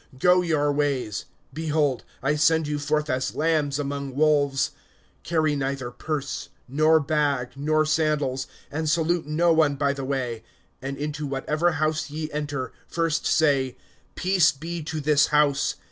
(3)Go your ways; behold, I send you forth as lambs among wolves. (4)Carry neither purse, nor bag, nor sandals; and salute no one by the way. (5)And into whatever house ye enter, first say: Peace be to this house.